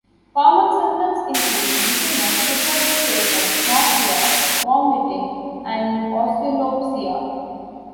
Common symptoms include dizziness, disorientation, nausea, vomiting, and oscillopsia.